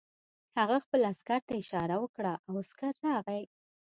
هغه خپل عسکر ته اشاره وکړه او عسکر راغی